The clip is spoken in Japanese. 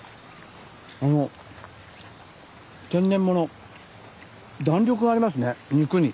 あの天然もの弾力がありますね肉に。